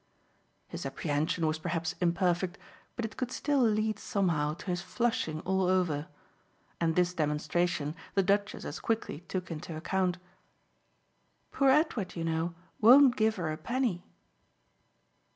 His apprehension was perhaps imperfect, but it could still lead somehow to his flushing all over, and this demonstration the Duchess as quickly took into account. "Poor Edward, you know, won't give her a penny."